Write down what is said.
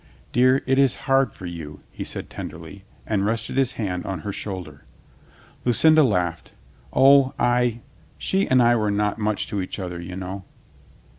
"Dear, it is hard for you," he said tenderly, and rested his hand on her shoulder. Lucinda laughed. "O, I — she and I were not much to each other, you know."